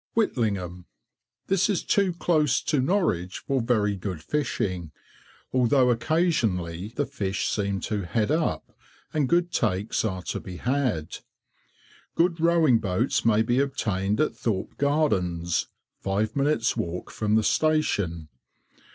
WHITLINGHAM. This is too close to Norwich for very good fishing, although occasionally the fish seem to head up, and good takes are to be had. Good rowing boats may be obtained at Thorpe Gardens, five minutes' walk from the station.